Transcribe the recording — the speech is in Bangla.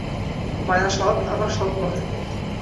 মায়া সৎ, আবার সৎ নয়।